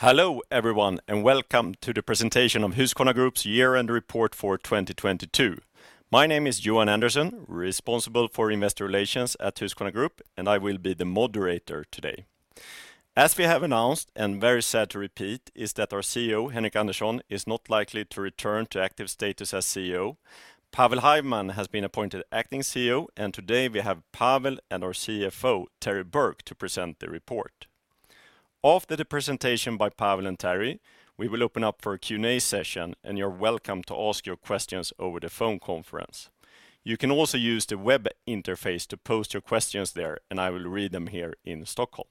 Hello everyone, welcome to the presentation of Husqvarna Group year-end report for 2022. My name is Johan Andersson, responsible for Investor Relations at Husqvarna Group, I will be the moderator today. As we have announced, very sad to repeat, is that our CEO, Henric Andersson, is not likely to return to active status as CEO. Pavel Hajman has been appointed acting CEO, today we have Pavel and our CFO, Terry Burke, to present the report. After the presentation by Pavel and Terry, we will open up for a Q&A session, you're welcome to ask your questions over the phone conference. You can also use the web interface to post your questions there, I will read them here in Stockholm.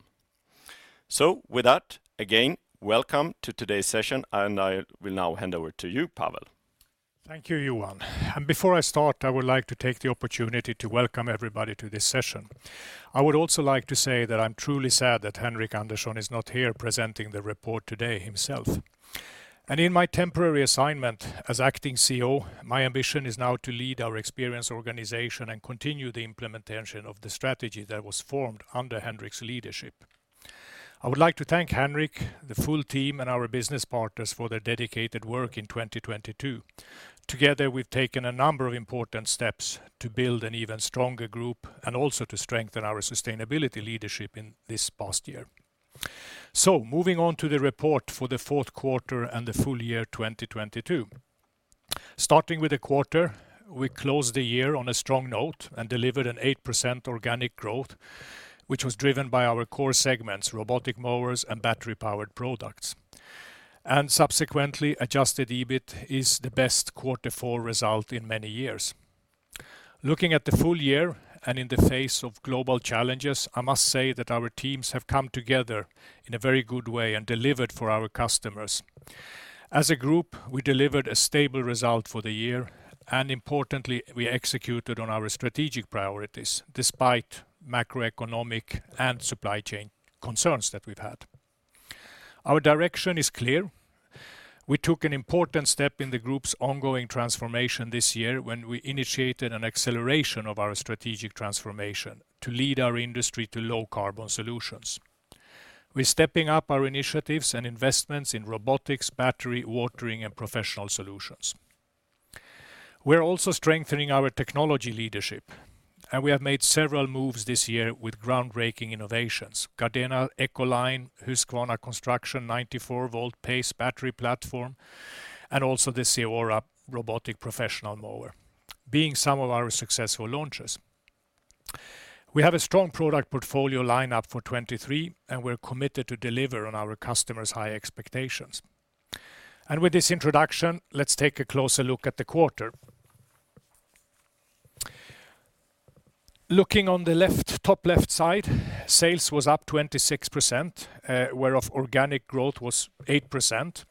With that, again, welcome to today's session, I will now hand over to you, Pavel. Thank you, Johan. Before I start, I would like to take the opportunity to welcome everybody to this session. I would also like to say that I'm truly sad that Henric Andersson is not here presenting the report today himself. In my temporary assignment as acting CEO, my ambition is now to lead our experienced organization and continue the implementation of the strategy that was formed under Henric's leadership. I would like to thank Henric, the full team, and our business partners for their dedicated work in 2022. Together, we've taken a number of important steps to build an even stronger group and also to strengthen our sustainability leadership in this past year. Moving on to the report for the fourth quarter and the full year 2022. Starting with the quarter, we closed the year on a strong note and delivered an 8% organic growth, which was driven by our core segments, robotic mowers and battery-powered products. Subsequently, adjusted EBIT is the best quarter four result in many years. Looking at the full year and in the face of global challenges, I must say that our teams have come together in a very good way and delivered for our customers. As a group, we delivered a stable result for the year, and importantly, we executed on our strategic priorities despite macroeconomic and supply chain concerns that we've had. Our direction is clear. We took an important step in the group's ongoing transformation this year when we initiated an acceleration of our strategic transformation to lead our industry to low carbon solutions. We're stepping up our initiatives and investments in robotics, battery, watering, and professional solutions. We're also strengthening our technology leadership. We have made several moves this year with groundbreaking innovations. Gardena EcoLine, Husqvarna Construction 94V PACE battery platform, and also the CEORA robotic professional mower being some of our successful launches. We have a strong product portfolio line up for 2023. We're committed to deliver on our customers' high expectations. With this introduction, let's take a closer look at the quarter. Looking on the left, top left side, sales was up 26%, whereof organic growth was 8%.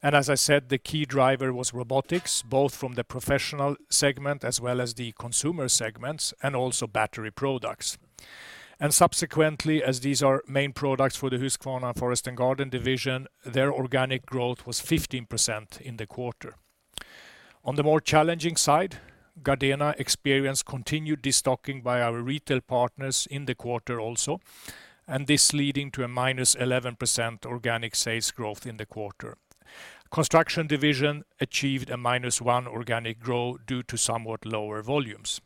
As I said, the key driver was robotics, both from the professional segment as well as the consumer segments and also battery products. Subsequently, as these are main products for the Husqvarna Forest & Garden division, their organic growth was 15% in the quarter. On the more challenging side, Gardena experienced continued destocking by our retail partners in the quarter also, this leading to a -11% organic sales growth in the quarter. Construction division achieved a -1% organic growth due to somewhat lower volumes.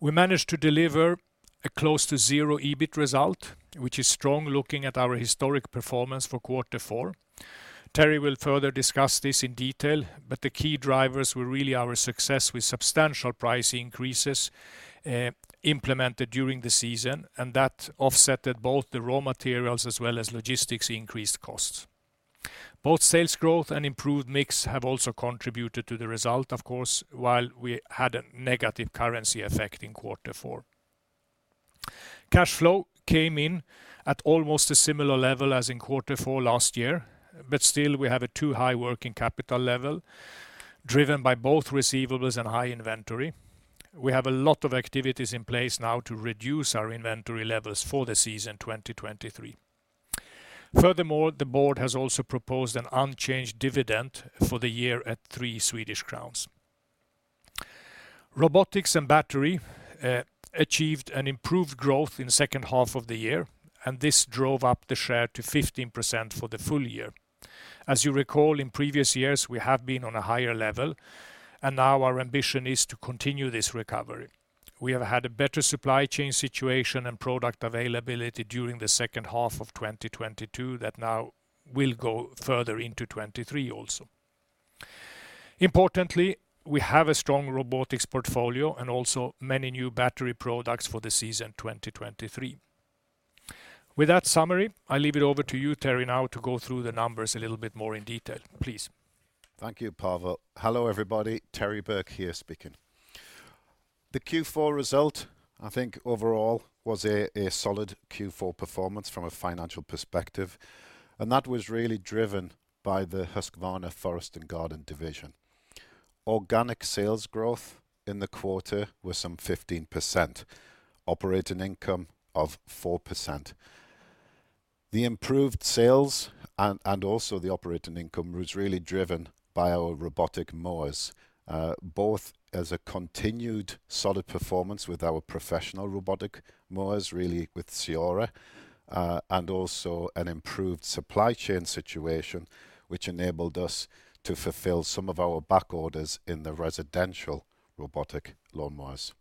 We managed to deliver a close to zero EBIT result, which is strong looking at our historic performance for quarter four. Terry will further discuss this in detail, the key drivers were really our success with substantial price increases, implemented during the season, that offsetted both the raw materials as well as logistics increased costs. Both sales growth and improved mix have also contributed to the result, of course, while we had a negative currency effect in Q4. Cash flow came in at almost a similar level as in quarter four last year. Still we have a too high working capital level driven by both receivables and high inventory. We have a lot of activities in place now to reduce our inventory levels for the season 2023. Furthermore, the board has also proposed an unchanged dividend for the year at 3 Swedish crowns. Robotics and battery achieved an improved growth in the second half of the year. This drove up the share to 15% for the full year. As you recall, in previous years, we have been on a higher level. Now our ambition is to continue this recovery. We have had a better supply chain situation and product availability during the second half of 2022 that now will go further into 2023 also. Importantly, we have a strong robotics portfolio and also many new battery products for the season 2023. With that summary, I leave it over to you, Terry, now to go through the numbers a little bit more in detail. Please. Thank you, Pavel. Hello, everybody. Terry Burke here speaking. The Q4 result, I think overall was a solid Q4 performance from a financial perspective, and that was really driven by the Husqvarna Forest & Garden division. Organic sales growth in the quarter was some 15%. Operating income of 4%. The improved sales and also the operating income was really driven by our robotic mowers. Both as a continued solid performance with our professional robotic mowers, really with CEORA, and also an improved supply chain situation, which enabled us to fulfill some of our back orders in the residential robotic lawn mowers.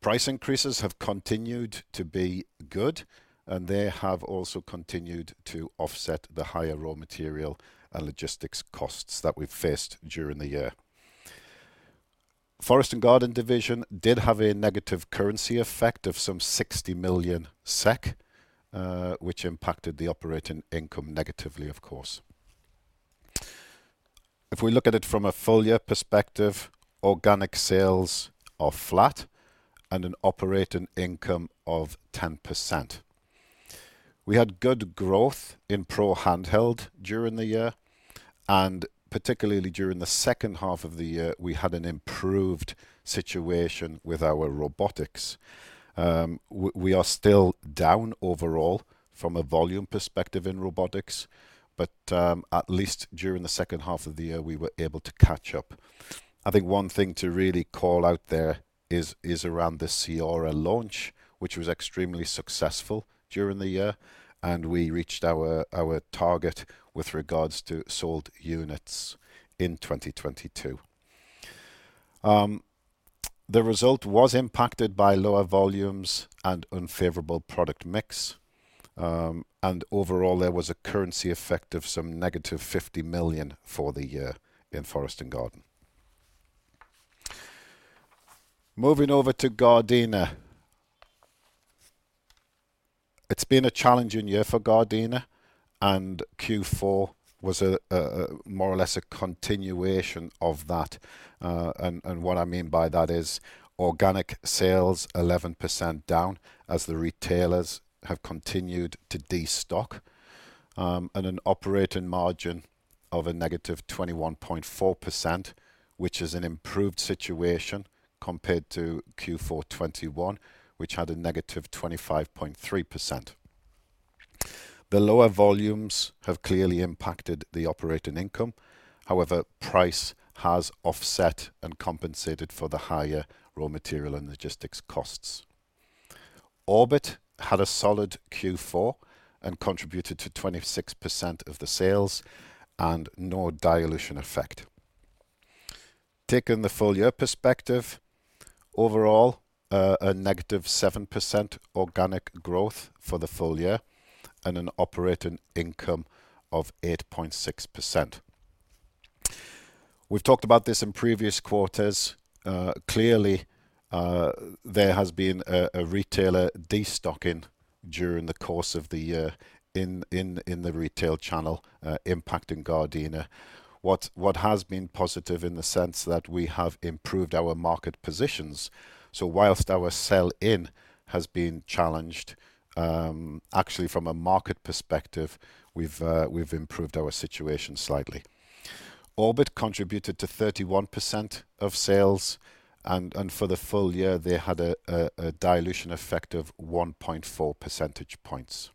Price increases have continued to be good, they have also continued to offset the higher raw material and logistics costs that we've faced during the year. Husqvarna Forest & Garden division did have a negative currency effect of some 60 million SEK, which impacted the operating income negatively, of course. If we look at it from a full year perspective, organic sales are flat and an operating income of 10%. We had good growth in pro handheld during the year, and particularly during the second half of the year, we had an improved situation with our robotics. We are still down overall from a volume perspective in robotics, but at least during the second half of the year, we were able to catch up. I think one thing to really call out there is around the CEORA launch, which was extremely successful during the year, and we reached our target with regards to sold units in 2022. The result was impacted by lower volumes and unfavorable product mix. Overall, there was a currency effect of some negative 50 million for the year in Husqvarna Forest & Garden. Moving over to Gardena. It's been a challenging year for Gardena, and Q4 was a more or less a continuation of that. What I mean by that is organic sales 11% down as the retailers have continued to destock, and an operating margin of a -21.4%, which is an improved situation compared to Q4 2021, which had a -25.3%. The lower volumes have clearly impacted the operating income. Price has offset and compensated for the higher raw material and logistics costs. Orbit had a solid Q4 and contributed to 26% of the sales and no dilution effect. Taking the full year perspective, overall, a -7% organic growth for the full year and an operating income of 8.6%. We've talked about this in previous quarters. Clearly, there has been a retailer destocking during the course of the year in the retail channel, impacting Gardena. What has been positive in the sense that we have improved our market positions. Whilst our sell-in has been challenged, actually from a market perspective, we've improved our situation slightly. Orbit contributed to 31% of sales and for the full year, they had a dilution effect of 1.4 percentage points.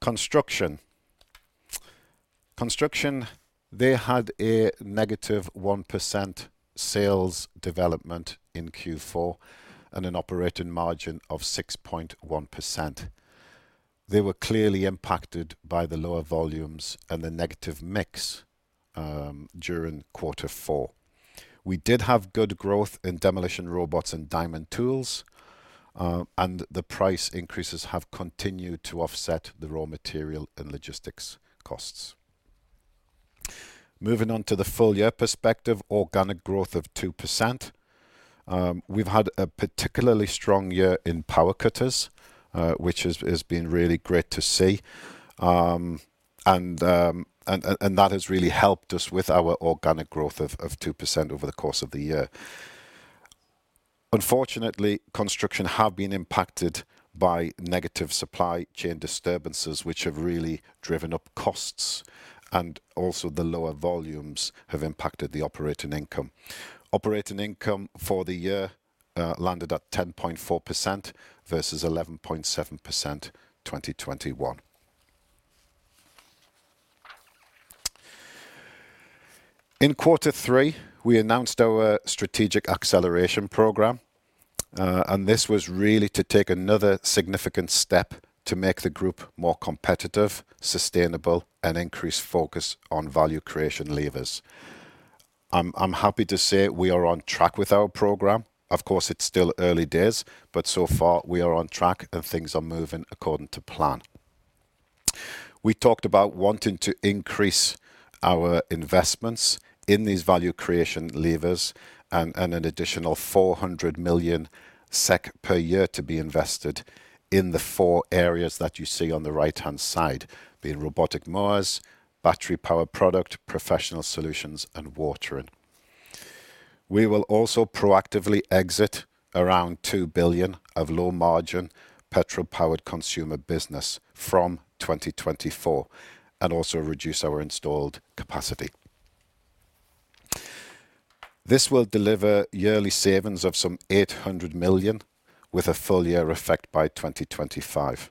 Construction, they had a negative 1% sales development in Q4 and an operating margin of 6.1%. They were clearly impacted by the lower volumes and the negative mix during Q4. We did have good growth in demolition robots and diamond tools and the price increases have continued to offset the raw material and logistics costs. Moving on to the full year perspective, organic growth of 2%. We've had a particularly strong year in power cutters, which has been really great to see. That has really helped us with our organic growth of 2% over the course of the year. Unfortunately, construction have been impacted by negative supply chain disturbances, which have really driven up costs, and also the lower volumes have impacted the operating income. Operating income for the year landed at 10.4% versus 11.7% 2021. In Q3, we announced our strategic acceleration program, and this was really to take another significant step to make the group more competitive, sustainable, and increase focus on value creation levers. I'm happy to say we are on track with our program. Of course, it's still early days, but so far we are on track and things are moving according to plan. We talked about wanting to increase our investments in these value creation levers and an additional 400 million SEK per year to be invested in the four areas that you see on the right-hand side, being robotic mowers, battery-powered product, professional solutions, and watering. We will also proactively exit around 2 billion of low margin petrol-powered consumer business from 2024 and also reduce our installed capacity. This will deliver yearly savings of some 800 million with a full year effect by 2025.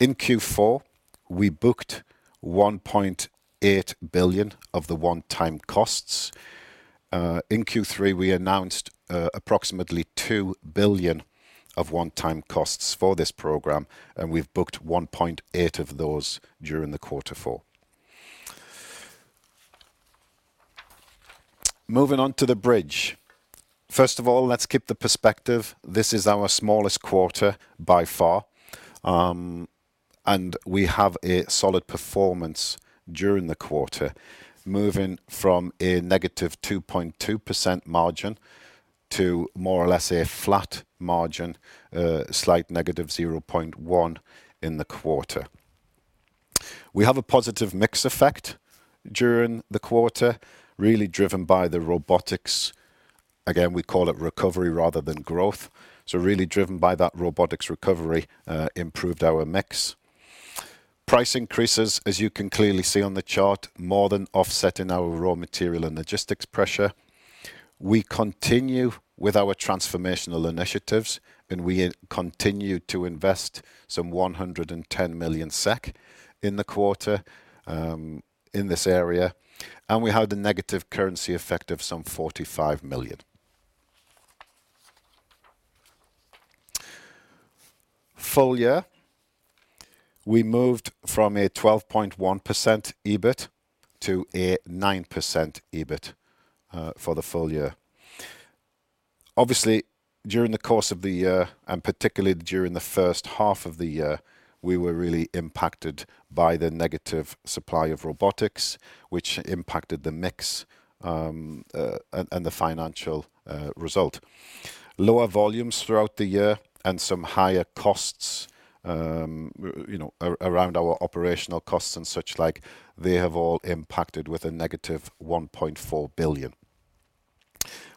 In Q4, we booked 1.8 billion of the one-time costs. In Q3, we announced approximately 2 billion of one-time costs for this program, and we've booked 1.8 billion of those during the Q4. Moving on to the bridge. First of all, let's keep the perspective. This is our smallest quarter by far. We have a solid performance during the quarter, moving from a negative -2.2% margin to more or less a flat margin, slight negative 0.1% in the quarter. We have a positive mix effect during the quarter, really driven by the robotics. Again, we call it recovery rather than growth. Really driven by that robotics recovery, improved our mix. Price increases, as you can clearly see on the chart, more than offsetting our raw material and logistics pressure. We continue with our transformational initiatives. We continue to invest some 110 million SEK in the quarter in this area. We have the negative currency effect of some 45 million. Full year, we moved from a 12.1% EBIT to a 9% EBIT for the full year. Obviously, during the course of the year, and particularly during the first half of the year, we were really impacted by the negative supply of robotics, which impacted the mix and the financial result. Lower volumes throughout the year and some higher costs, you know, around our operational costs and such like, they have all impacted with a negative 1.4 billion.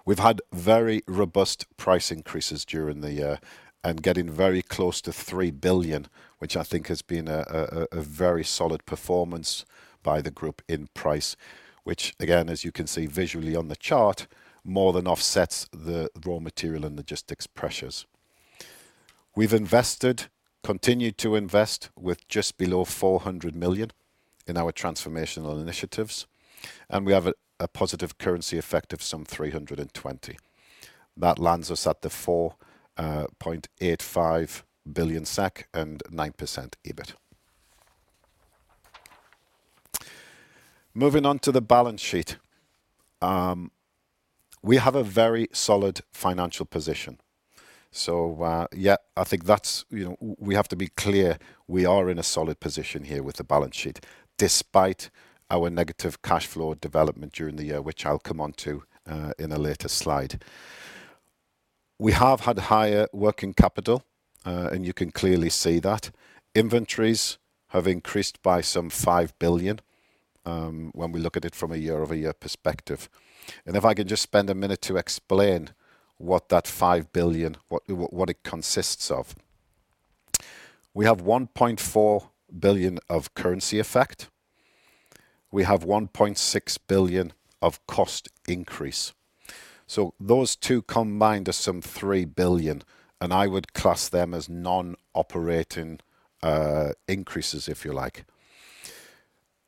We've had very robust price increases during the year and getting very close to 3 billion, which I think has been a very solid performance by the group in price, which again, as you can see visually on the chart, more than offsets the raw material and logistics pressures. We've invested, continued to invest with just below 400 million in our transformational initiatives. We have a positive currency effect of some 320. That lands us at 4.85 billion SEK and 9% EBIT. Moving on to the balance sheet. We have a very solid financial position. Yeah, I think that's, you know, we have to be clear we are in a solid position here with the balance sheet despite our negative cash flow development during the year, which I'll come on to in a later slide. We have had higher working capital. You can clearly see that. Inventories have increased by some 5 billion when we look at it from a year-over-year perspective. If I can just spend a minute to explain what that 5 billion, what it consists of. We have 1.4 billion of currency effect. We have 1.6 billion of cost increase. Those two combined are some 3 billion, and I would class them as non-operating increases, if you like.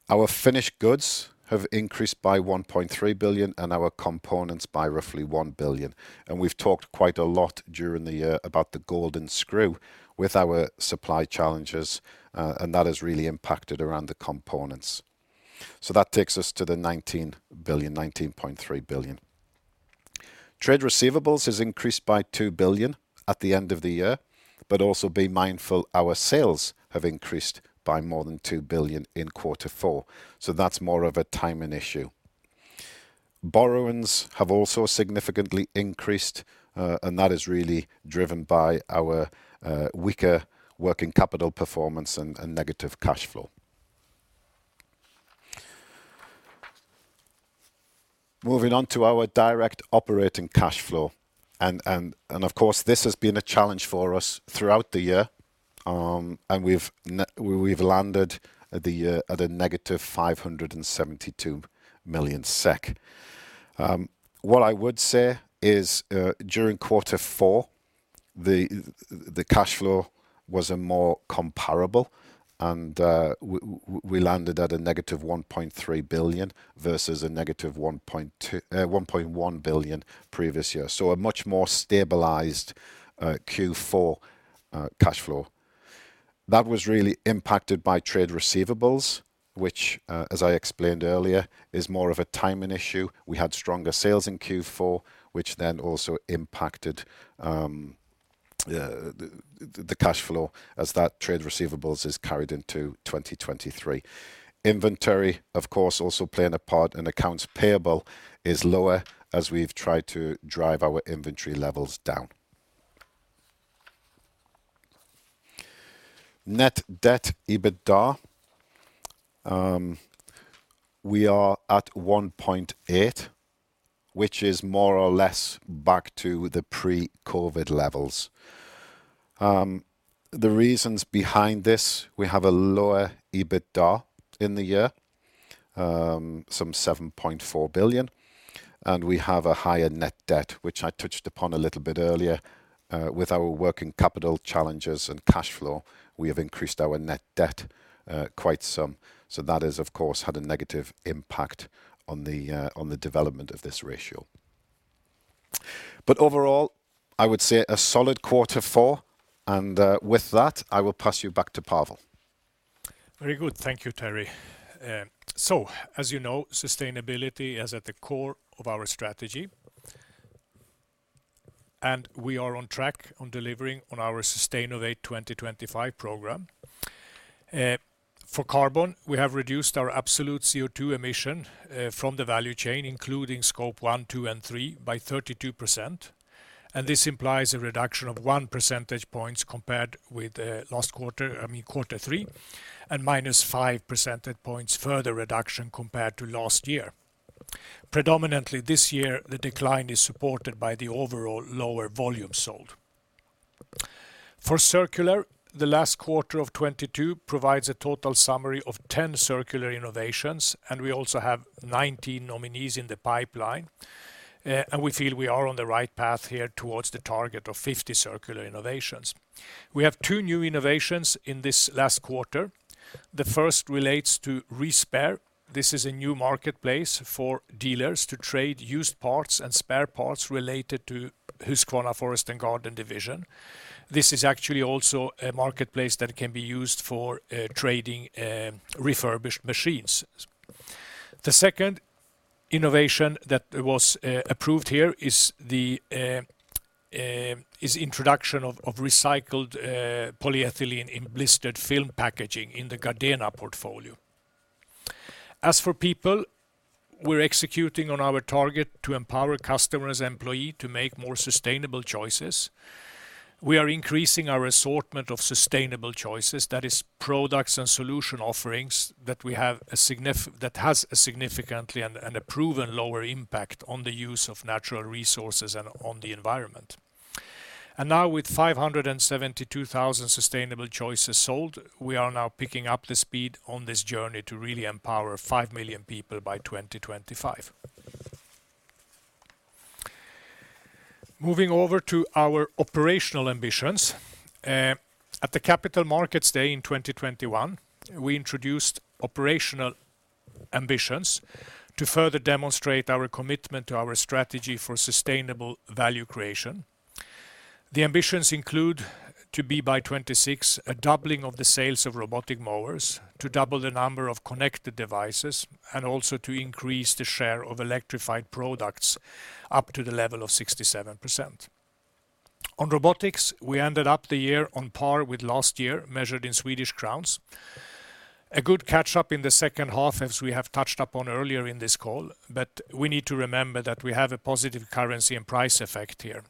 Our finished goods have increased by 1.3 billion and our components by roughly 1 billion. We've talked quite a lot during the year about the golden screw with our supply challenges, and that has really impacted around the components. That takes us to the 19 billion, 19.3 billion. Trade receivables has increased by 2 billion at the end of the year, also be mindful our sales have increased by more than 2 billion in Q4. That's more of a timing issue. Borrowings have also significantly increased, and that is really driven by our weaker working capital performance and negative cash flow. Moving on to our direct operating cash flow. Of course, this has been a challenge for us throughout the year, and we've landed the year at a negative 572 million SEK. What I would say is, during Q4, the cash flow was a more comparable, and we landed at a negative 1.3 billion versus a negative 1.1 billion previous year. A much more stabilized Q4 cash flow. That was really impacted by trade receivables, which, as I explained earlier, is more of a timing issue. We had stronger sales in Q4, which then also impacted the cash flow as that trade receivables is carried into 2023. Inventory, of course, also playing a part, and accounts payable is lower as we've tried to drive our inventory levels down. Net Debt/EBITDA, we are at 1.8, which is more or less back to the pre-COVID levels. The reasons behind this, we have a lower EBITDA in the year, some 7.4 billion, and we have a higher net debt, which I touched upon a little bit earlier. With our working capital challenges and cash flow, we have increased our net debt quite some. That has, of course, had a negative impact on the development of this ratio. Overall, I would say a solid Q4. With that, I will pass you back to Pavel. Very good. Thank you, Terry. As you know, sustainability is at the core of our strategy. We are on track on delivering on our Sustainovate 2025 program. For carbon, we have reduced our absolute CO2 emission from the value chain, including scope one, two, and three, by 32%. This implies a reduction of 1 percentage points compared with last quarter, I mean, Q3, and -5 percentage points further reduction compared to last year. Predominantly this year, the decline is supported by the overall lower volume sold. For circular, the last quarter of 2022 provides a total summary of 10 circular innovations, and we also have 19 nominees in the pipeline. We feel we are on the right path here towards the target of 50 circular innovations. We have two new innovations in this last quarter. The first relates to ReSpare. This is a new marketplace for dealers to trade used parts and spare parts related to Husqvarna Forest & Garden Division. This is actually also a marketplace that can be used for trading refurbished machines. The second innovation that was approved here is the introduction of recycled polyethylene in blister film packaging in the Gardena portfolio. As for people, we're executing on our target to empower customers employee to make more sustainable choices. We are increasing our assortment of sustainable choices. That is products and solution offerings that has a significantly and a proven lower impact on the use of natural resources and on the environment. Now with 572,000 sustainable choices sold, we are now picking up the speed on this journey to really empower 5 million people by 2025. Moving over to our operational ambitions. At the Capital Markets Day in 2021, we introduced operational ambitions to further demonstrate our commitment to our strategy for sustainable value creation. The ambitions include to be by 2026, a doubling of the sales of robotic mowers, to double the number of connected devices, and also to increase the share of electrified products up to the level of 67%. On robotics, we ended up the year on par with last year, measured in Swedish crowns. A good catch up in the second half, as we have touched upon earlier in this call, but we need to remember that we have a positive currency and price effect here.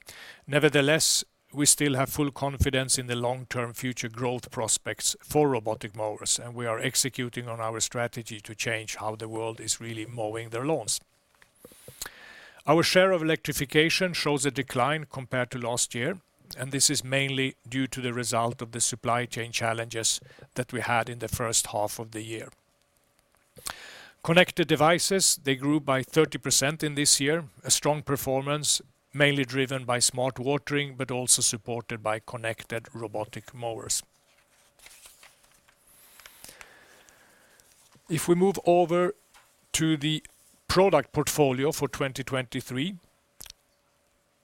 Nevertheless, we still have full confidence in the long-term future growth prospects for robotic mowers, and we are executing on our strategy to change how the world is really mowing their lawns. Our share of electrification shows a decline compared to last year, and this is mainly due to the result of the supply chain challenges that we had in the first half of the year. Connected devices, they grew by 30% in this year. A strong performance, mainly driven by smart watering, but also supported by connected robotic mowers. If we move over to the product portfolio for 2023,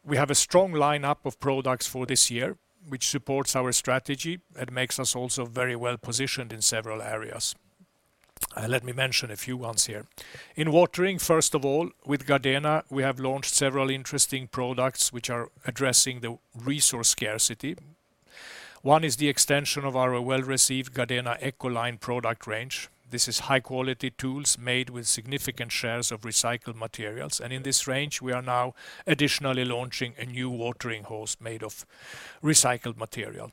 we have a strong lineup of products for this year, which supports our strategy and makes us also very well-positioned in several areas. Let me mention a few ones here. In watering, first of all, with Gardena, we have launched several interesting products which are addressing the resource scarcity. One is the extension of our well-received Gardena EcoLine product range. This is high-quality tools made with significant shares of recycled materials. In this range, we are now additionally launching a new watering hose made of recycled material.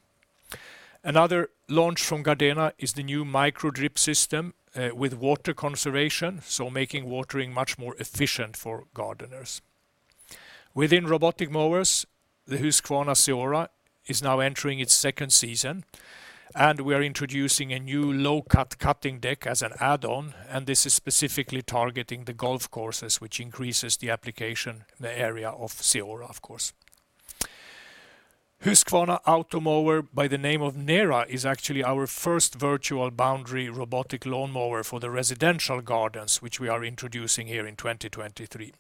Another launch from Gardena is the new Micro-Drip-System with water conservation, so making watering much more efficient for gardeners. Within robotic mowers, the Husqvarna CEORA is now entering its second season, and we are introducing a new low-cut cutting deck as an add-on, and this is specifically targeting the golf courses, which increases the application, the area of CEORA, of course. Husqvarna Automower by the name of NERA is actually our first virtual boundary robotic lawnmower for the residential gardens, which we are introducing here in 2023.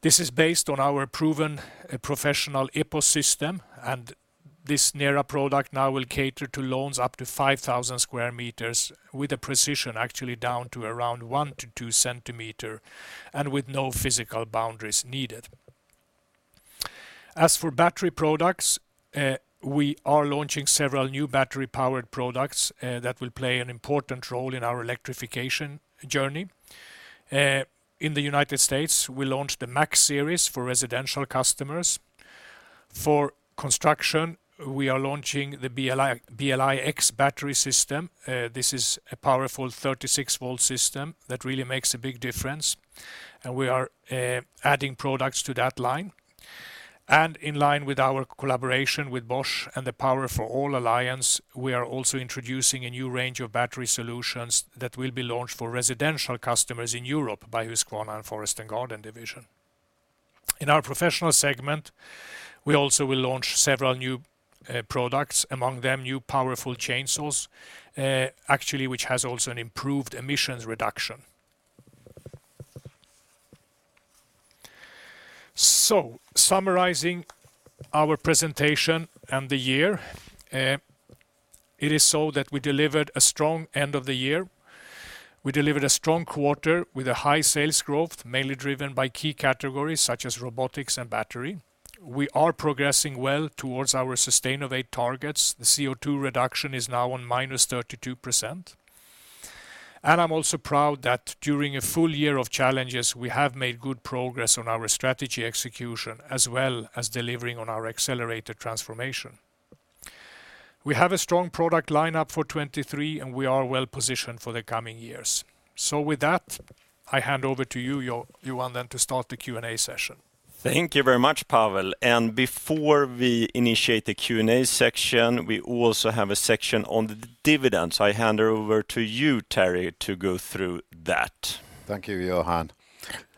This is based on our proven professional EPOS system. This NERA product now will cater to lawns up to 5,000 sq m with a precision actually down to around 1 cm to 2 cm and with no physical boundaries needed. As for battery products, we are launching several new battery-powered products that will play an important role in our electrification journey. In the United States, we launched the MAX series for residential customers. For construction, we are launching the BLi-X battery system. This is a powerful 36V system that really makes a big difference, and we are adding products to that line. In line with our collaboration with Bosch and the Power for All Alliance, we are also introducing a new range of battery solutions that will be launched for residential customers in Europe by Husqvarna and Forest and Garden Division. In our professional segment, we also will launch several new products, among them new powerful chain saws, actually, which has also an improved emissions reduction. Summarizing our presentation and the year, it is so that we delivered a strong end of the year. We delivered a strong quarter with a high sales growth, mainly driven by key categories such as robotics and battery. We are progressing well towards our Sustainovate targets. The CO2 reduction is now on minus 32%. I'm also proud that during a full year of challenges, we have made good progress on our strategy execution, as well as delivering on our accelerated transformation. We have a strong product lineup for 2023, and we are well-positioned for the coming years. With that, I hand over to you, Johan, then to start the Q&A session. Thank you very much, Pavel. Before we initiate the Q&A section, we also have a section on the dividends. I hand over to you, Terry, to go through that. Thank you, Johan.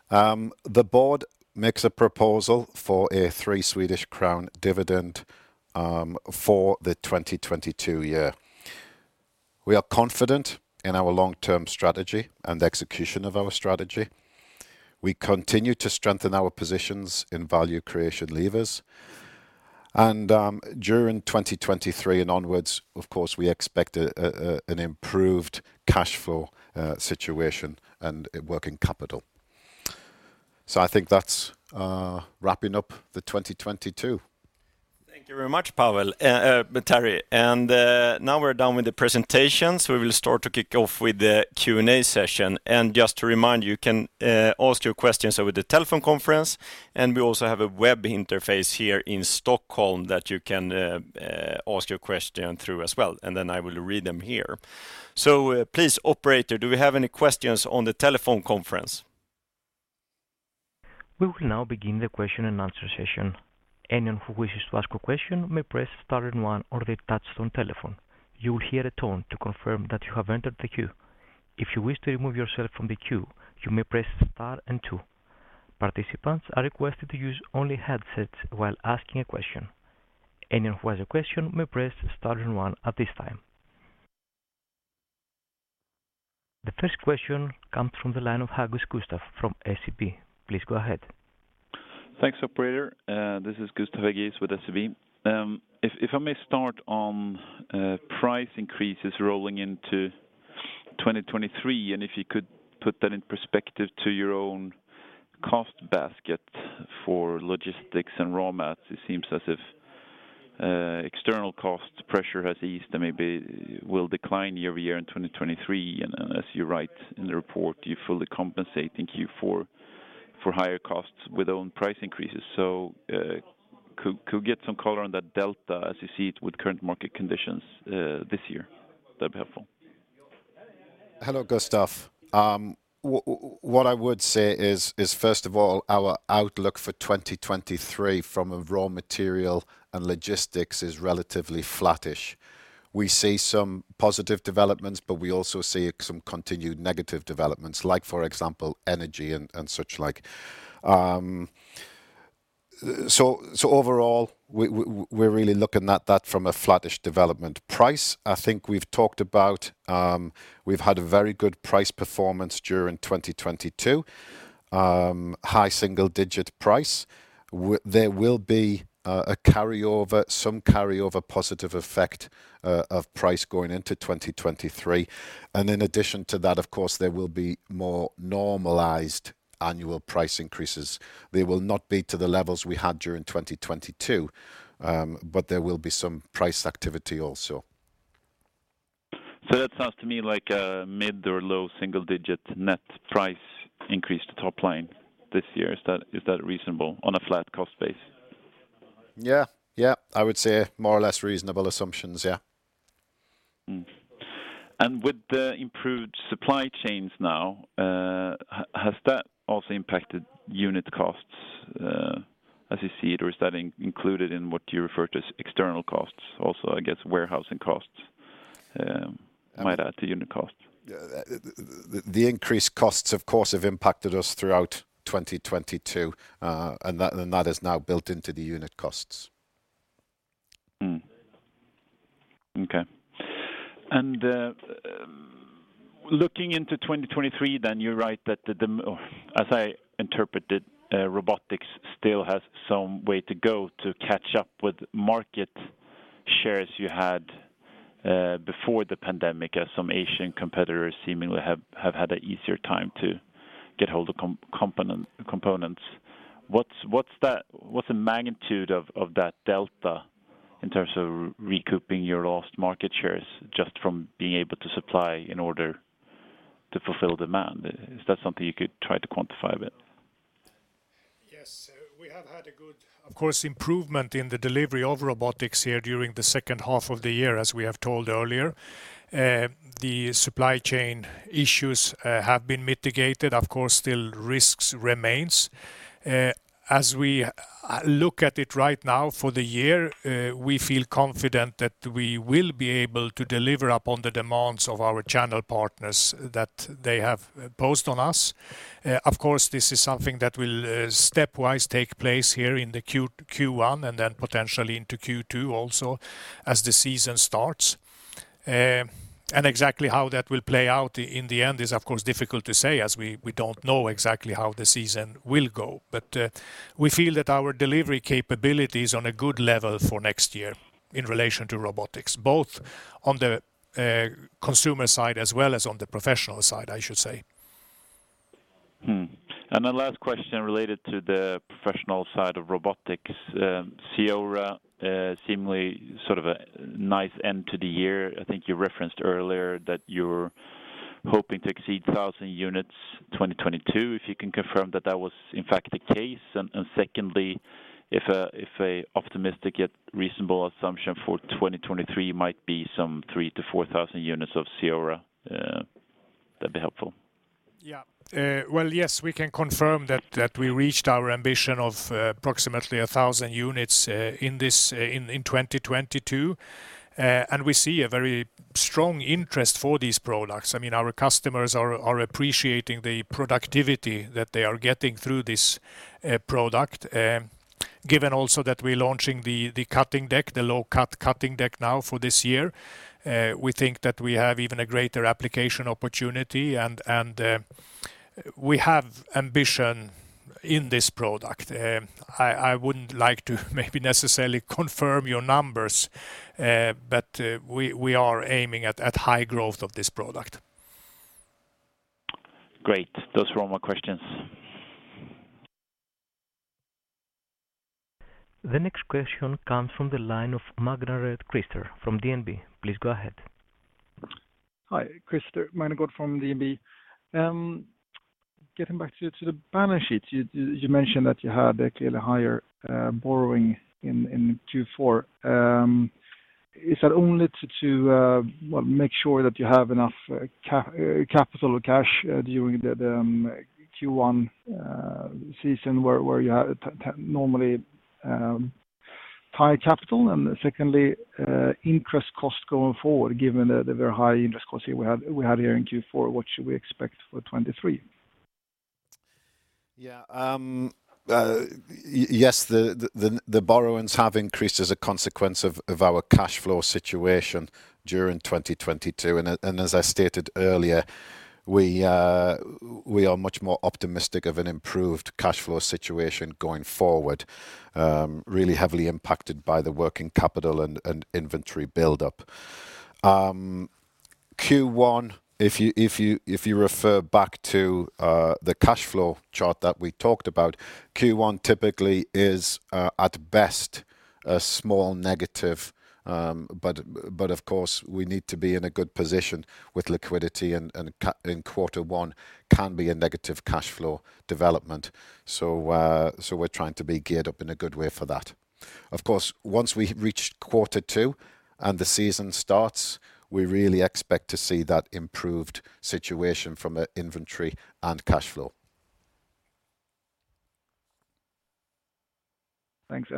The board makes a proposal for a 3 Swedish crown dividend for the 2022 year. We are confident in our long-term strategy and the execution of our strategy. We continue to strengthen our positions in value creation levers. During 2023 and onwards, of course, we expect an improved cash flow situation and working capital. I think that's wrapping up the 2022. Thank you very much, Pavel. but Terry. Now we're done with the presentations. We will start to kick off with the Q&A session. Just to remind you can ask your questions over the telephone conference, and we also have a web interface here in Stockholm that you can ask your question through as well, and then I will read them here. Please, operator, do we have any questions on the telephone conference? We will now begin the question and answer session. Anyone who wishes to ask a question may press star and one on the touch-tone telephone. You will hear a tone to confirm that you have entered the queue. If you wish to remove yourself from the queue, you may press star and two. Participants are requested to use only headsets while asking a question. Anyone who has a question may press star and one at this time. The first question comes from the line of Gustaf Adrian from SEB. Please go ahead. Thanks, operator. This is Gustaf Adrian with SEB. If I may start on price increases rolling into 2023, and if you could put that in perspective to your own cost basket for logistics and raw mats. It seems as if external cost pressure has eased and maybe will decline year-over-year in 2023. As you write in the report, you fully compensate, thank you, for higher costs with own price increases. Could we get some color on that delta as you see it with current market conditions this year? That'd be helpful. Hello, Gustaf. What I would say is, first of all, our outlook for 2023 from a raw material and logistics is relatively flattish. We see some positive developments, but we also see some continued negative developments, like for example, energy and such like. So overall, we're really looking at that from a flattish development price. I think we've talked about, we've had a very good price performance during 2022. High single-digit price. There will be a carryover, some carryover positive effect of price going into 2023. In addition to that, of course, there will be more normalized annual price increases. They will not be to the levels we had during 2022, but there will be some price activity also. That sounds to me like a mid or low single digit net price increase to top line this year. Is that reasonable on a flat cost base? Yeah. Yeah. I would say more or less reasonable assumptions. Yeah. Mm-hmm. With the improved supply chains now, has that also impacted unit costs, as you see it, or is that included in what you refer to as external costs? Also, I guess, warehousing costs might add to unit costs. The increased costs, of course, have impacted us throughout 2022, and that is now built into the unit costs. Mm-hmm. Okay. Looking into 2023, you're right that the or as I interpreted, robotics still has some way to go to catch up with market shares you had before the pandemic, as some Asian competitors seemingly have had an easier time to get hold of components. What's the magnitude of that delta in terms of recouping your lost market shares just from being able to supply in order to fulfill demand? Is that something you could try to quantify a bit? Yes. We have had a good, of course, improvement in the delivery of robotics here during the second half of the year, as we have told earlier. The supply chain issues have been mitigated. Of course, still risks remains. As we look at it right now for the year, we feel confident that we will be able to deliver upon the demands of our channel partners that they have posed on us. Of course, this is something that will stepwise take place here in Q1 and then potentially into Q2 also as the season starts. Exactly how that will play out in the end is, of course, difficult to say as we don't know exactly how the season will go. We feel that our delivery capability is on a good level for next year in relation to robotics, both on the consumer side as well as on the professional side, I should say. My last question related to the professional side of robotics. CEORA, seemingly sort of a nice end to the year. I think you referenced earlier that you're hoping to exceed 1,000 units 2022, if you can confirm that that was in fact the case. Secondly, if a optimistic yet reasonable assumption for 2023 might be some 3,000 units-4,000 units of CEORA, that'd be helpful. Yeah. Well, yes, we can confirm that we reached our ambition of approximately 1,000 units in 2022. We see a very strong interest for these products. I mean, our customers are appreciating the productivity that they are getting through this product. Given also that we're launching the cutting deck, the low cut cutting deck now for this year, we think that we have even a greater application opportunity and we have ambition in this product. I wouldn't like to maybe necessarily confirm your numbers, but we are aiming at high growth of this product. Great. Those were all my questions. The next question comes from the line of Christer Magnergård from DNB. Please go ahead. Hi, Christer Magnergård from DNB. Getting back to the balance sheet. You mentioned that you had a clearly higher borrowing in Q4. Is that only to, well, make sure that you have enough capital or cash during the Q1 season where you normally high capital? Secondly, interest cost going forward, given the very high interest cost we had here in Q4, what should we expect for 2023? Yes, the borrowings have increased as a consequence of our cash flow situation during 2022. As I stated earlier, we are much more optimistic of an improved cash flow situation going forward, really heavily impacted by the net working capital and inventory buildup. Q1, if you refer back to the cash flow chart that we talked about, Q1 typically is at best a small negative. Of course, we need to be in a good position with liquidity and in quarter one can be a negative cash flow development. We're trying to be geared up in a good way for that. Of course, once we reach Q2 and the season starts, we really expect to see that improved situation from an inventory and cash flow. Thanks.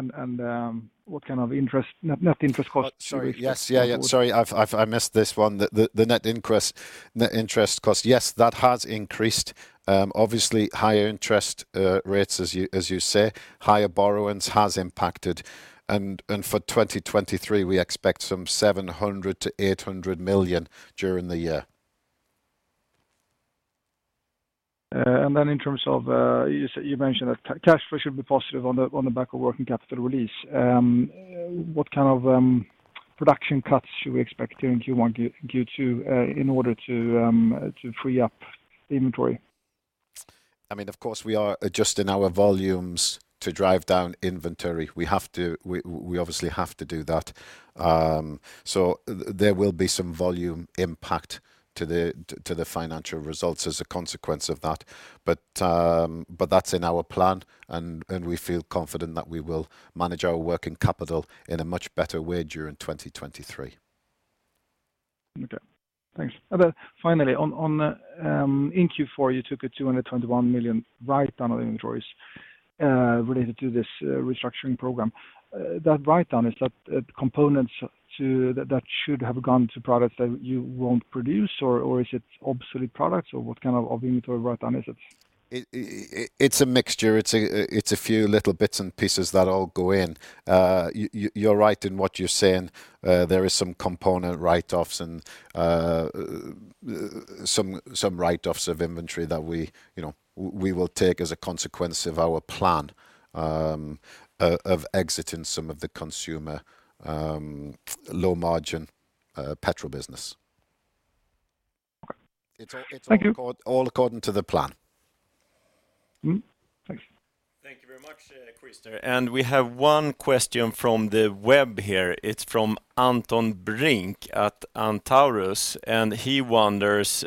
What kind of net interest costs? Oh, sorry. Yes. Sorry to cut you off. Yeah, yeah. Sorry, I've missed this one. The net interest cost. Yes, that has increased. Obviously higher interest rates as you say, higher borrowings has impacted. For 2023, we expect some 700 million-800 million during the year. In terms of, you mentioned that cash flow should be positive on the back of working capital release. What kind of production cuts should we expect during Q1, Q2, in order to free up the inventory? I mean, of course, we are adjusting our volumes to drive down inventory. We obviously have to do that. So there will be some volume impact to the financial results as a consequence of that. That's in our plan and we feel confident that we will manage our working capital in a much better way during 2023. Okay. Thanks. Finally, on, in Q4, you took a 221 million write down on inventories, related to this restructuring program. That write down, is that components that should have gone to products that you won't produce or is it obsolete products or what kind of inventory write down is it? It's a mixture. It's a few little bits and pieces that all go in. You're right in what you're saying. There is some component write-offs and some write-offs of inventory that we, you know, we will take as a consequence of our plan of exiting some of the consumer low margin petrol business. Okay. Thank you. It's all according to the plan. Mm-hmm. Thanks. Thank you very much, Christer. We have one question from the web here. It's from Anton Brink at Antaurus, and he wonders,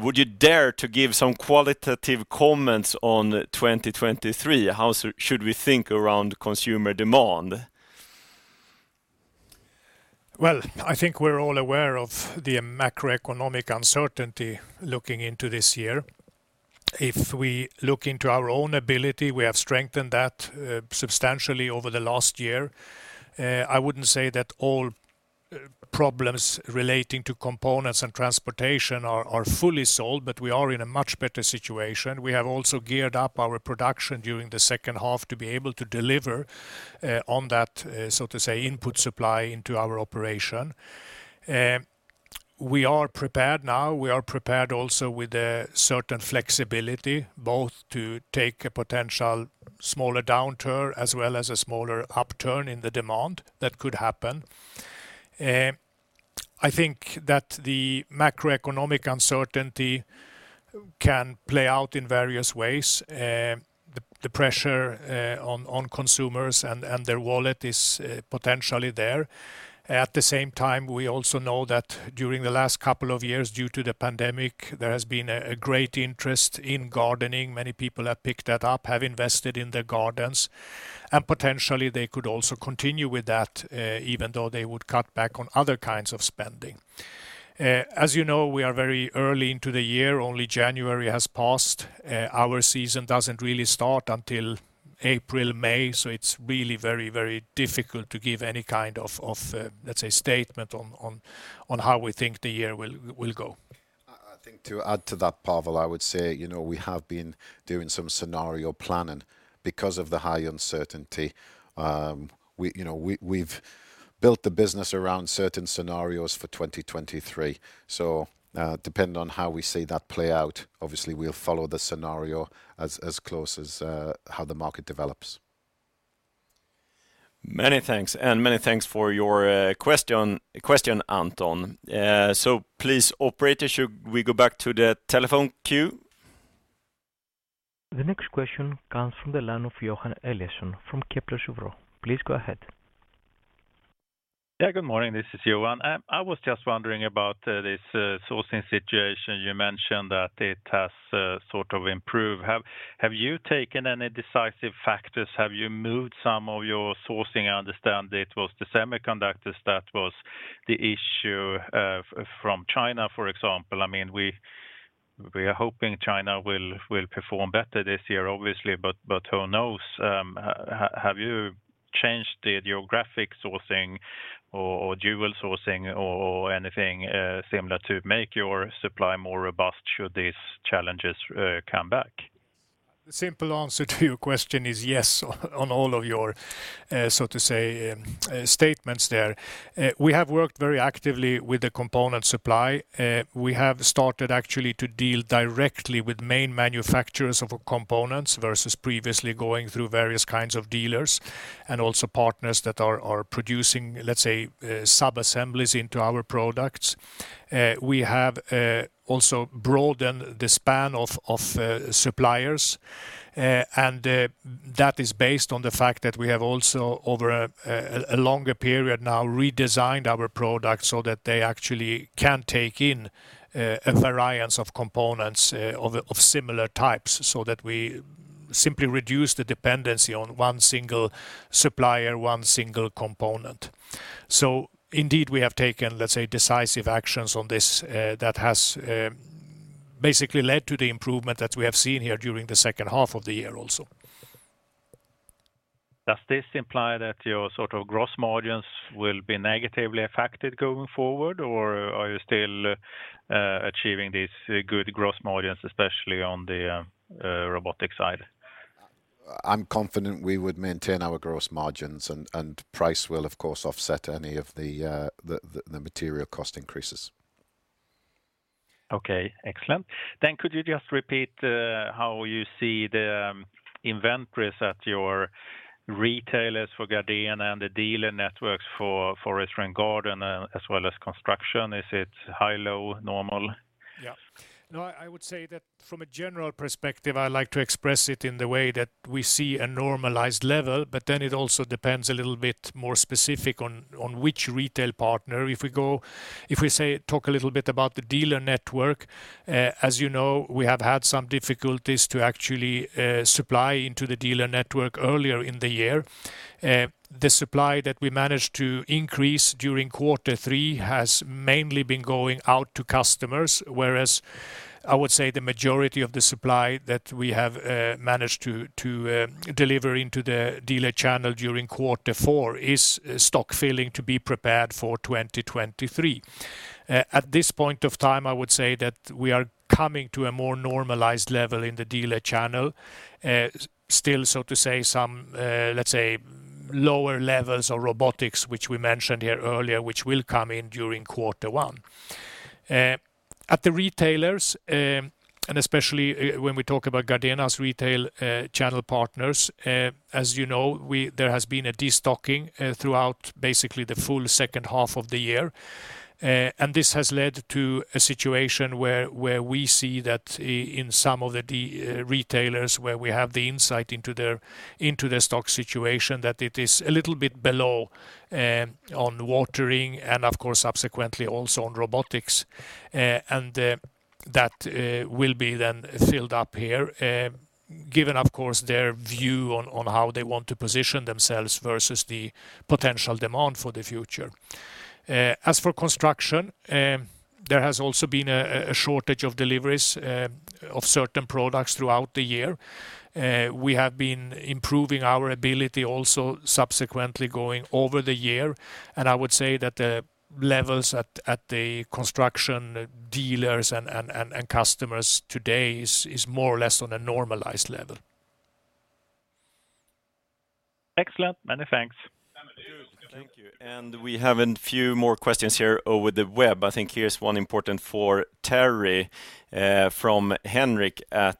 would you dare to give some qualitative comments on 2023? How should we think around consumer demand? I think we're all aware of the macroeconomic uncertainty looking into this year. If we look into our own ability, we have strengthened that substantially over the last year. I wouldn't say that all problems relating to components and transportation are fully solved, but we are in a much better situation. We have also geared up our production during the second half to be able to deliver on that so to say, input supply into our operation. We are prepared now. We are prepared also with a certain flexibility, both to take a potential smaller downturn as well as a smaller upturn in the demand that could happen. I think that the macroeconomic uncertainty can play out in various ways. The pressure on consumers and their wallet is potentially there. At the same time, we also know that during the last couple of years, due to the pandemic, there has been a great interest in gardening. Many people have picked that up, have invested in their gardens, and potentially they could also continue with that, even though they would cut back on other kinds of spending. As you know, we are very early into the year. Only January has passed. Our season doesn't really start until April, May, so it's really very, very difficult to give any kind of, let's say, statement on how we think the year will go. I think to add to that, Pavel, I would say, you know, we have been doing some scenario planning because of the high uncertainty. You know, we've built the business around certain scenarios for 2023. Depending on how we see that play out, obviously we'll follow the scenario as close as how the market develops. Many thanks, and many thanks for your question, Anton. Please, operator, should we go back to the telephone queue? The next question comes from the line of Johan Eliason from Kepler Cheuvreux. Please go ahead. Yeah, good morning. This is Johan. I was just wondering about this sourcing situation. You mentioned that it has sort of improved. Have you taken any decisive factors? Have you moved some of your sourcing? I understand it was the semiconductors that was the issue from China, for example. I mean, we are hoping China will perform better this year, obviously, but who knows? Have you changed the geographic sourcing or dual sourcing or anything similar to make your supply more robust should these challenges come back? The simple answer to your question is yes on all of your, so to say, statements there. We have worked very actively with the component supply. We have started actually to deal directly with main manufacturers of components versus previously going through various kinds of dealers and also partners that are producing, let's say, subassemblies into our products. We have also broadened the span of suppliers. That is based on the fact that we have also over a longer period now redesigned our products so that they actually can take in a variance of components of similar types, so that we simply reduce the dependency on one single supplier, one single component. Indeed, we have taken, let's say, decisive actions on this, that has, basically led to the improvement that we have seen here during the second half of the year also. Does this imply that your sort of gross margins will be negatively affected going forward? Or are you still achieving these good gross margins, especially on the robotic side? I'm confident we would maintain our gross margins and price will of course offset any of the material cost increases. Okay, excellent. Could you just repeat, how you see the inventories at your retailers for Gardena and the dealer networks for Forest and Garden, as well as Construction? Is it high, low, normal? Yeah. I would say that from a general perspective, I like to express it in the way that we see a normalized level, but then it also depends a little bit more specific on which retail partner. If we talk a little bit about the dealer network, as you know, we have had some difficulties to actually supply into the dealer network earlier in the year. The supply that we managed to increase during Q3 has mainly been going out to customers, whereas I would say the majority of the supply that we have managed to deliver into the dealer channel during Q4 is stock filling to be prepared for 2023. At this point of time, I would say that we are coming to a more normalized level in the dealer channel. Still, so to say, some, let's say, lower levels of robotics, which we mentioned here earlier, which will come in during Q1. At the retailers, and especially when we talk about Gardena's retail, channel partners, as you know, there has been a destocking, throughout basically the full second half of the year. And this has led to a situation where we see that in some of the retailers where we have the insight into their, into their stock situation, that it is a little bit below, on watering and of course subsequently also on robotics. And that will be then filled up here. Given, of course, their view on how they want to position themselves versus the potential demand for the future. As for construction, there has also been a shortage of deliveries of certain products throughout the year. We have been improving our ability also subsequently going over the year, and I would say that the levels at the construction dealers and customers today is more or less on a normalized level. Excellent. Many thanks. Good. Thank you. We have a few more questions here over the web. I think here's one important for Terry from Henrik at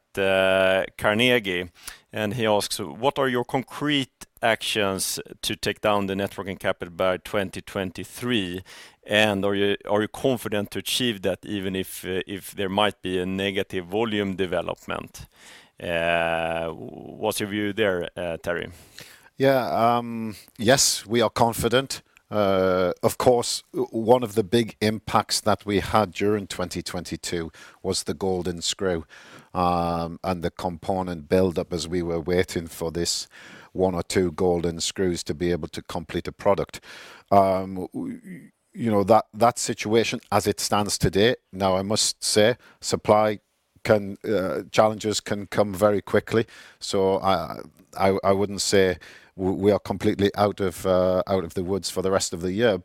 Carnegie, and he asks, "What are your concrete actions to take down the net working capital by 2023, and are you confident to achieve that even if if there might be a negative volume development?" What's your view there, Terry? Yeah. Yes, we are confident. Of course, one of the big impacts that we had during 2022 was the golden screw, and the component buildup as we were waiting for this one or two golden screws to be able to complete a product. We, you know, that situation as it stands today. Now, I must say supply challenges can come very quickly, so, I wouldn't say we are completely out of the woods for the rest of the year.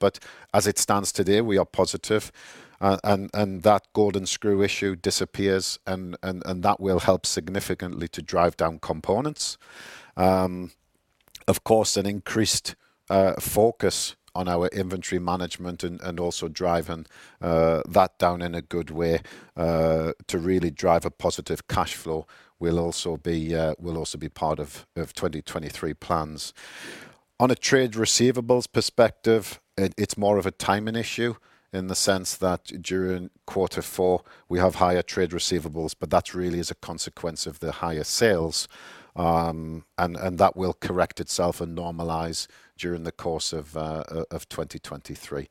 As it stands today, we are positive. That golden screw issue disappears, and that will help significantly to drive down components. Of course, an increased focus on our inventory management and also driving that down in a good way, to really drive a positive cash flow will also be part of 2023 plans. On a trade receivables perspective, it's more of a timing issue in the sense that during Q4 we have higher trade receivables, but that really is a consequence of the higher sales, and that will correct itself and normalize during the course of 2023.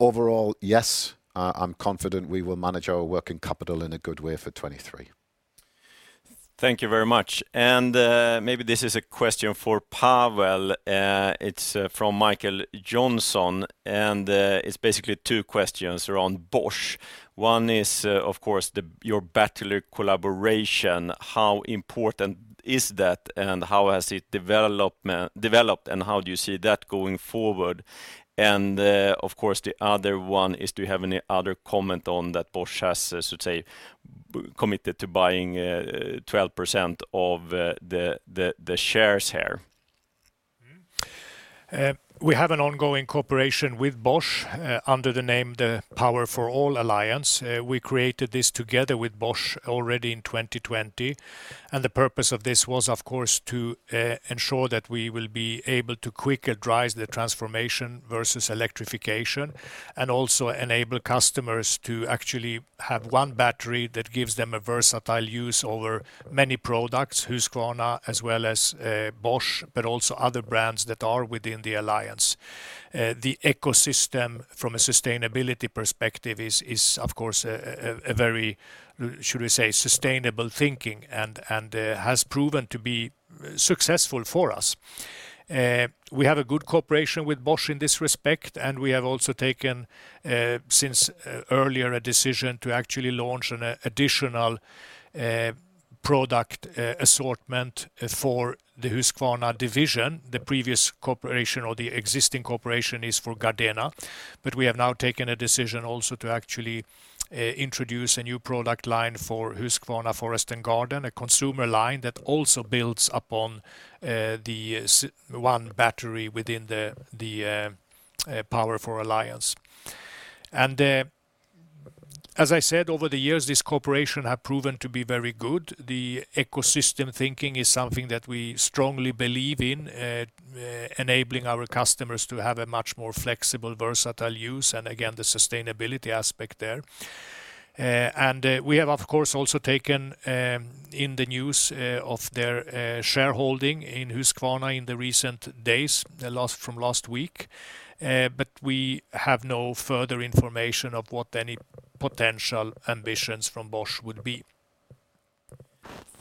Overall, yes, I'm confident we will manage our working capital in a good way for 2023. Thank you very much. Maybe this is a question for Pavel. It's from Michael Johnson, it's basically two questions around Bosch. One is, of course, your battery collaboration. How important is that, and how has it developed, and how do you see that going forward? Of course, the other one is, do you have any other comment on that Bosch has, so to say, committed to buying 12% of the shares here? We have an ongoing cooperation with Bosch, under the name the Power for All Alliance. We created this together with Bosch already in 2020, and the purpose of this was, of course, to ensure that we will be able to quicker drive the transformation versus electrification, and also enable customers to actually have one battery that gives them a versatile use over many products, Husqvarna as well as Bosch, but also other brands that are within the alliance. The ecosystem from a sustainability perspective is, of course, a very, should we say, sustainable thinking and has proven to be successful for us. We have a good cooperation with Bosch in this respect, and we have also taken since earlier a decision to actually launch an additional product assortment for the Husqvarna division. The previous cooperation or the existing cooperation is for Gardena. We have now taken a decision also to actually introduce a new product line for Husqvarna Forest & Garden, a consumer line that also builds upon the one battery within the Power for All Alliance. As I said, over the years, this cooperation have proven to be very good. The ecosystem thinking is something that we strongly believe in enabling our customers to have a much more flexible, versatile use, and again, the sustainability aspect there. We have, of course, also taken, in the news, of their, shareholding in Husqvarna in the recent days, from last week. We have no further information of what any potential ambitions from Bosch would be.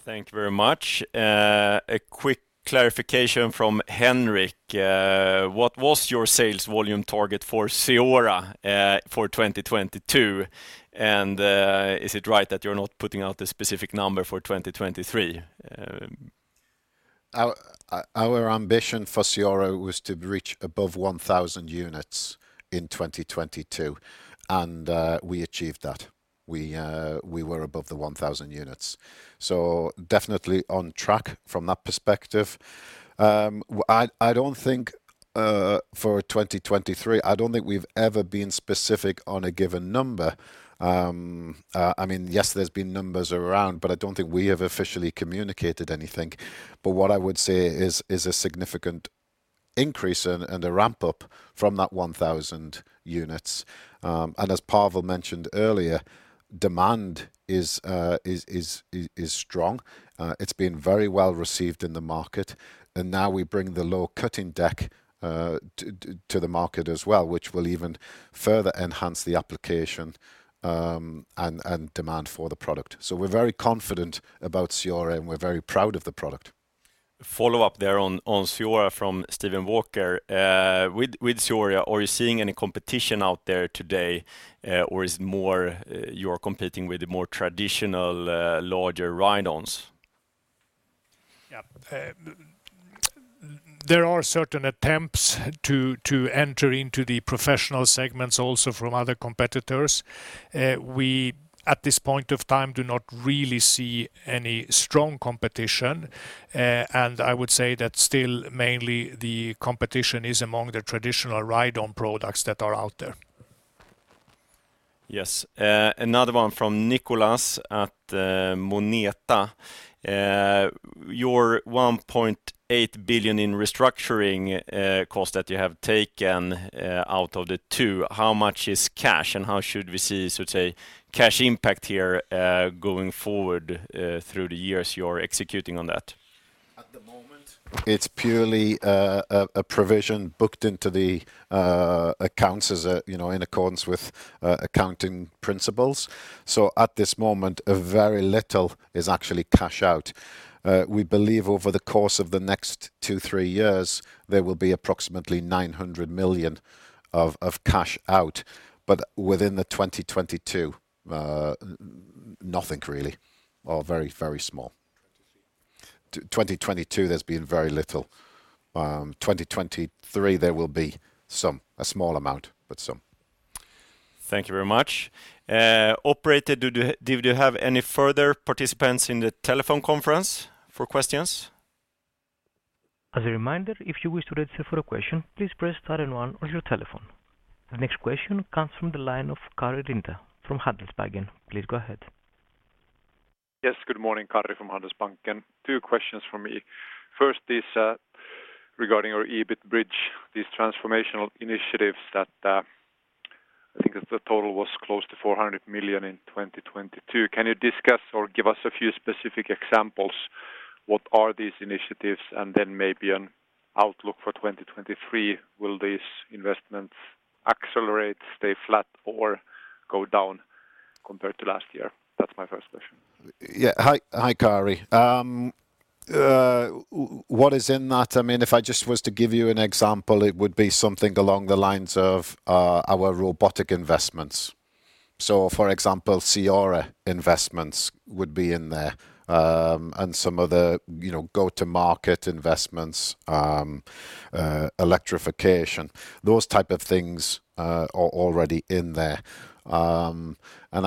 Thank you very much. A quick clarification from Henrik. What was your sales volume target for CEORA for 2022? Is it right that you're not putting out a specific number for 2023? Our ambition for CEORA was to reach above 1,000 units in 2022, and we achieved that. We were above the 1,000 units. Definitely on track from that perspective. I don't think for 2023, I don't think we've ever been specific on a given number. I mean, yes, there's been numbers around, but I don't think we have officially communicated anything. What I would say is a significant increase and a ramp-up from that 1,000 units. As Pavel mentioned earlier, demand is strong. It's been very well received in the market. Now we bring the low cutting deck to the market as well, which will even further enhance the application and demand for the product. We're very confident about CEORA, and we're very proud of the product. Follow up there on CEORA from Steven Walker. With CEORA, are you seeing any competition out there today, or is it more you're competing with the more traditional, larger ride-ons? Yeah. There are certain attempts to enter into the professional segments also from other competitors. We, at this point of time, do not really see any strong competition. I would say that still mainly the competition is among the traditional ride-on products that are out there. Yes. Another one from Nicolas at Moneta. Your 1.8 billion in restructuring cost that you have taken out of the two, how much is cash and how should we see, so to say, cash impact here, going forward, through the years you're executing on that? At the moment, it's purely a provision booked into the accounts as a, you know, in accordance with accounting principles. At this moment, very little is actually cash out. We believe over the course of the next two, three years, there will be approximately 900 million of cash out. Within the 2022, nothing really, or very small. 2022? 2022, there's been very little. 2023, there will be some, a small amount, but some. Thank you very much. Operator, do you have any further participants in the telephone conference for questions? As a reminder, if you wish to register for a question, please press star and one on your telephone. The next question comes from the line of Karri Rinta from Handelsbanken. Please go ahead. Yes. Good morning, Karri from Handelsbanken. Two questions from me. First is, regarding our EBIT bridge, these transformational initiatives that I think the total was close to 400 million in 2022. Can you discuss or give us a few specific examples? What are these initiatives? Then maybe an outlook for 2023. Will these investments accelerate, stay flat or go down compared to last year? That's my first question. Yeah. Hi, hi, Karri. What is in that? I mean, if I just was to give you an example, it would be something along the lines of our robotic investments. For example, CEORA investments would be in there. Some other, you know, go-to-market investments, electrification. Those type of things are already in there. I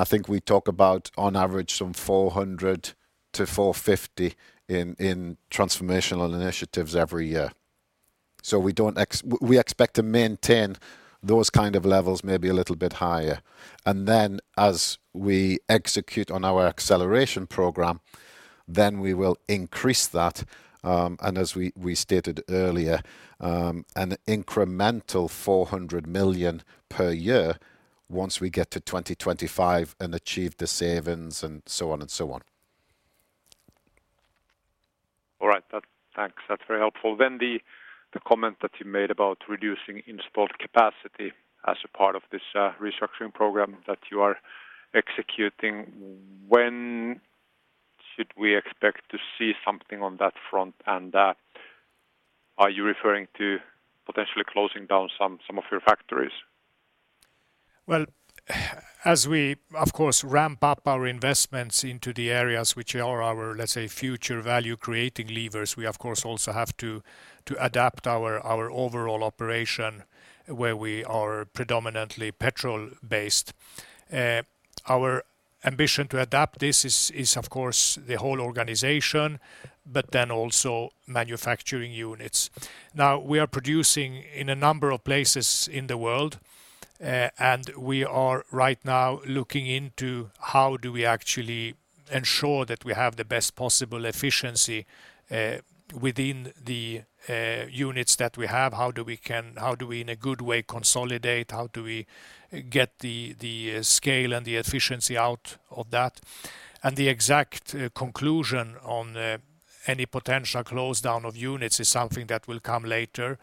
think we talk about on average some 400-450 in transformational initiatives every year. We expect to maintain those kind of levels maybe a little bit higher. As we execute on our acceleration program, then we will increase that, and as we stated earlier, an incremental 400 million per year once we get to 2025 and achieve the savings and so on and so on. All right. Thanks. That's very helpful. The comment that you made about reducing installed capacity as a part of this restructuring program that you are executing, when should we expect to see something on that front? Are you referring to potentially closing down some of your factories? Well, as we of course, ramp up our investments into the areas which are our, let's say, future value creating levers, we of course also have to adapt our overall operation where we are predominantly petrol-based. Our ambition to adapt this is of course the whole organization, also manufacturing units. Now, we are producing in a number of places in the world, we are right now looking into how do we actually ensure that we have the best possible efficiency within the units that we have. How do we in a good way consolidate? How do we get the scale and the efficiency out of that? The exact conclusion on any potential close down of units is something that will come later.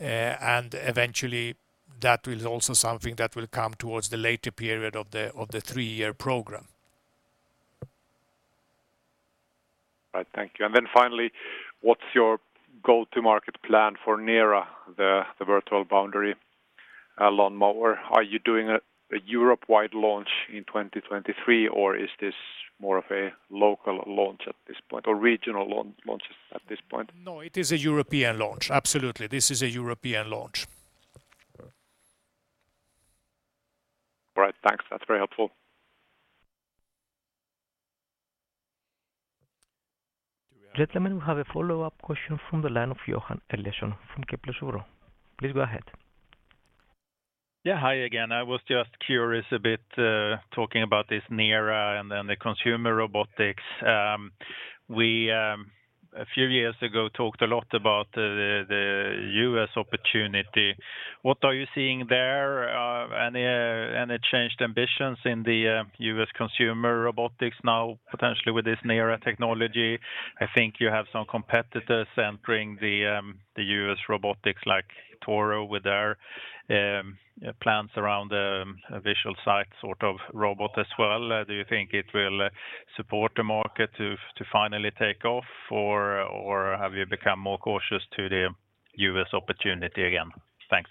Eventually that will also something that will come towards the later period of the, of the three-year program. Right. Thank you. Finally, what's your go-to-market plan for NERA, the virtual boundary lawnmower? Are you doing a Europe-wide launch in 2023, or is this more of a local launch at this point or regional launches at this point? No, it is a European launch. Absolutely, this is a European launch. All right. Thanks. That's very helpful. Gentlemen, we have a follow-up question from the line of Johan Eliason from Kepler Cheuvreux. Please go ahead. Yeah. Hi again. I was just curious a bit, talking about this NERA and then the consumer robotics. We, a few years ago talked a lot about the U.S. opportunity. What are you seeing there? Any changed ambitions in the U.S. consumer robotics now, potentially with this NERA technology? I think you have some competitors entering the U.S. robotics like Toro with their plans around the visual site sort of robot as well. Do you think it will support the market to finally take off or have you become more cautious to the U.S. opportunity again? Thanks.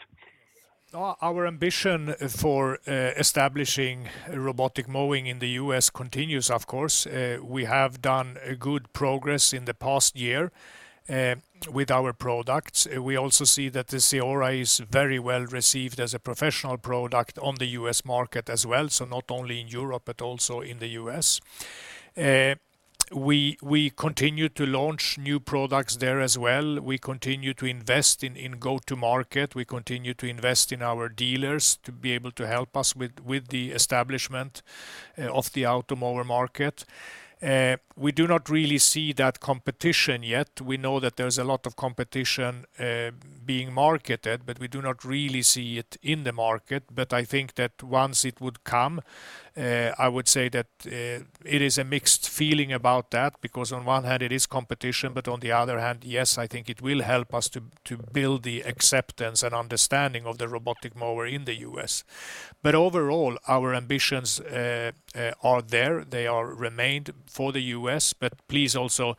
Our ambition for establishing robotic mowing in the U.S. continues, of course. We have done a good progress in the past year with our products. We also see that the CEORA is very well-received as a professional product on the U.S. Market as well. Not only in Europe, but also in the U.S. We continue to launch new products there as well. We continue to invest in go-to market. We continue to invest in our dealers to be able to help us with the establishment of the Automower market. We do not really see that competition yet. We know that there's a lot of competition being marketed, but we do not really see it in the market. I think that once it would come, I would say that it is a mixed feeling about that because on one hand it is competition, but on the other hand, yes, I think it will help us to build the acceptance and understanding of the robotic mower in the U.S. Overall, our ambitions are there, they are remained for the U.S. Please also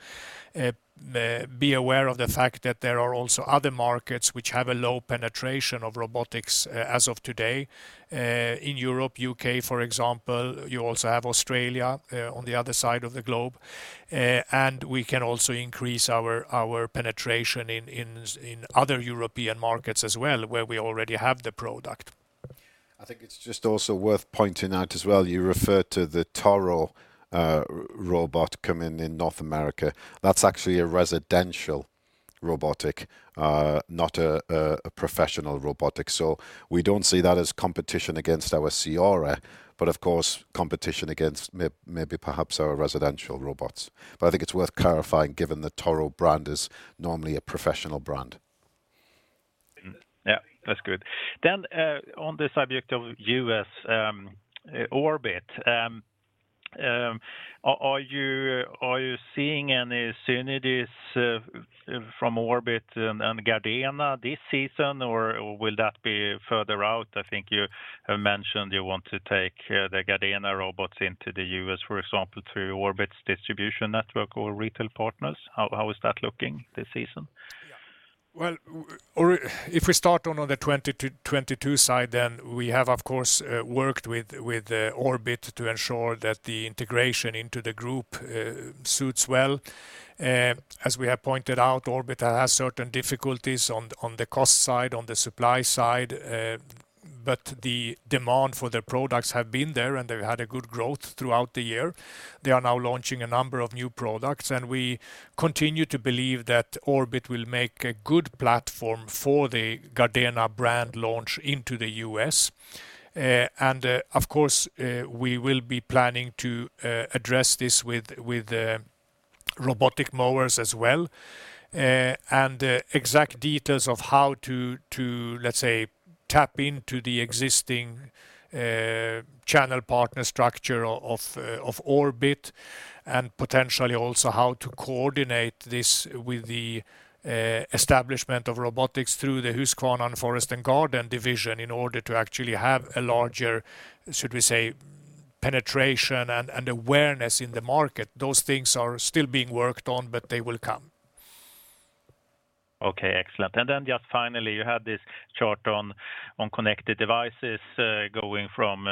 be aware of the fact that there are also other markets which have a low penetration of robotics as of today. In Europe, U.K., for example. You also have Australia on the other side of the globe. We can also increase our penetration in other European markets as well, where we already have the product. I think it's just also worth pointing out as well, you referred to the Toro robot coming in North America. That's actually a residential robotic, not a professional robotic. We don't see that as competition against our CEORA, but of course, competition against maybe perhaps our residential robots. I think it's worth clarifying given the Toro brand is normally a professional brand. Yeah. That's good. On the subject of U.S., Orbit, are you seeing any synergies from Orbit and Gardena this season, or will that be further out? I think you have mentioned you want to take the Gardena robots into the U.S., for example, through Orbit's distribution network or retail partners. How is that looking this season? Yeah. Well, if we start on the 2022 side, we have, of course, worked with Orbit to ensure that the integration into the group suits well. As we have pointed out, Orbit has certain difficulties on the cost side, on the supply side, but the demand for their products have been there, and they've had a good growth throughout the year. They are now launching a number of new products, and we continue to believe that Orbit will make a good platform for the Gardena brand launch into the US. Of course, we will be planning to address this with robotic mowers as well. Exact details of how to, let's say, tap into the existing channel partner structure of Orbit, and potentially also how to coordinate this with the establishment of robotics through the Husqvarna Forest & Garden division in order to actually have a larger, should we say, penetration and awareness in the market. Those things are still being worked on, but they will come. Okay, excellent. Then just finally, you had this chart on connected devices, going from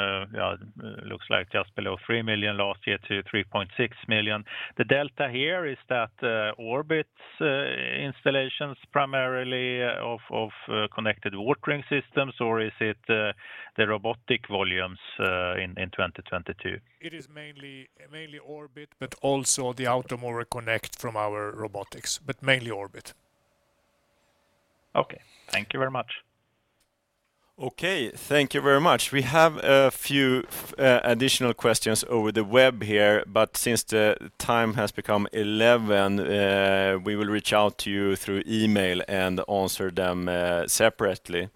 looks like just below 3 million last year to 3.6 million. The delta here, is that Orbit's installations primarily of connected watering systems, or is it the robotic volumes in 2022? It is mainly Orbit, but also the Automower Connect from our robotics. Mainly Orbit. Okay. Thank you very much. Okay. Thank you very much. We have a few additional questions over the web here, but since the time has become 11, we will reach out to you through email and answer them separately.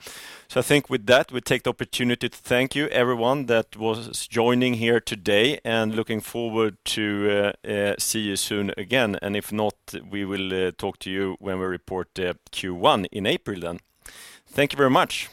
I think with that, we take the opportunity to thank you everyone that was joining here today, and looking forward to see you soon again. If not, we will talk to you when we report Q1 in April then. Thank you very much.